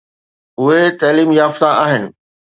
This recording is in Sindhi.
اهي تعليم يافته آهن.